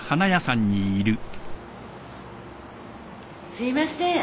すいません。